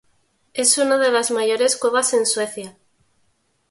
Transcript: Es una de las mayores cuevas en Suecia.